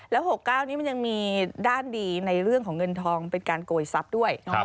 แล้ว๖๙นี้มันยังมีด้านดีในเรื่องของเงินทองเป็นการโกยทรัพย์ด้วย